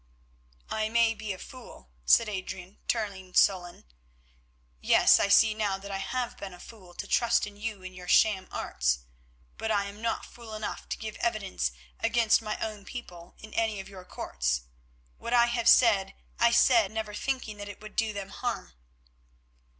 "I may be a fool," said Adrian, turning sullen; "yes, I see now that I have been a fool to trust in you and your sham arts, but I am not fool enough to give evidence against my own people in any of your courts. What I have said I said never thinking that it would do them harm."